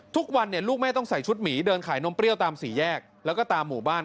ทุกวันลูกแม่ต้องใส่ชุดหมีเดินขายนมเปรี้ยวตามสี่แยกแล้วก็ตามหมู่บ้าน